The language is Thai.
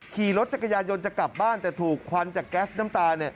ขี่รถจักรยานยนต์จะกลับบ้านแต่ถูกควันจากแก๊สน้ำตา